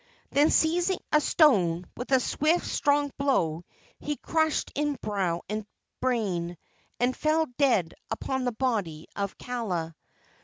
Then seizing a stone, with a swift, strong blow he crushed in brow and brain, and fell dead upon the body of Kaala.